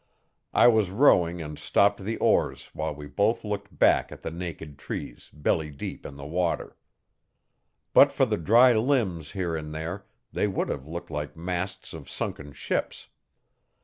I was rowing and stopped the oars while we both looked back at the naked trees, belly deep in the water. But for the dry limbs, here and there, they would have looked like masts of sunken ships.